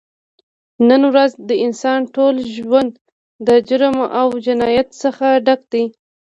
نن ورځ د انسان ټول ژون د جرم او جنایت څخه ډک دی